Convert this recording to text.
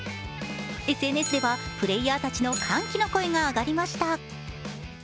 ＳＮＳではプレイヤーたちの歓喜の声が上がりました。